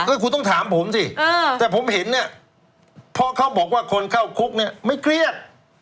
คุณต้องถามผมสิแต่ผมเห็นเนี่ยเพราะเขาบอกว่าคนเข้าคุกเนี่ยไม่เครียด